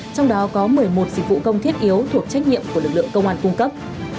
trong đó có một mươi một dịch vụ công thiết yếu thuộc trách nhiệm của lực lượng công an cung cấp